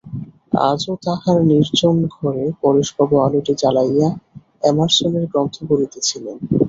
আজও তাঁহার নির্জন ঘরে পরেশবাবু আলোটি জ্বালাইয়া এমার্সনের গ্রন্থ পড়িতেছিলেন।